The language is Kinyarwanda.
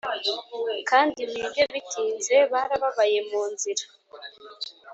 kandi wige, bitinze, barababaye munzira,